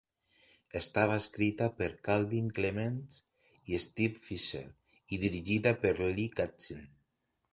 Estava escrita per Calvin Clements i Steve Fisher i dirigida per Lee Katzin.